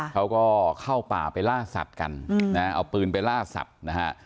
เขาก็เข้าป่าไปล่าสัตว์กันนะเอาปืนไปล่าสัตว์นะฮะ